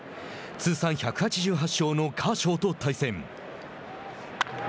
通算１８８勝のカーショーと対戦。